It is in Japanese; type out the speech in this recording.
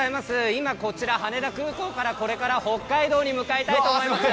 今、こちら羽田空港からこれから北海道に向かいたいと思います。